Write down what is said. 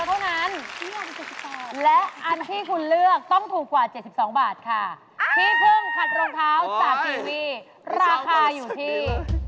เยอะเท่านั้นและอันที่คุณเลือกต้องถูกกว่าเจ็บสิบสองบาทค่ะขัดรองเท้าราคาอยู่ที่